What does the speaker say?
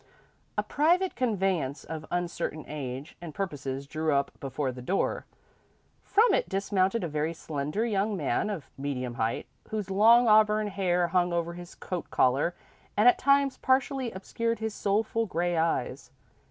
A private conveyance of uncertain age and purposes drew up before the door. From it dismounted a very slender young man of medium height, whose long auburn hair hung over his coat collar and at times partially obscured his soulful grey eyes.